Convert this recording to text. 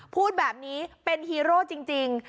พูดแบบนี้เป็นฮีโร่จริง